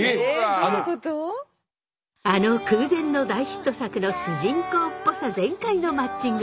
あの空前の大ヒット作の主人公っぽさ全開のマッチング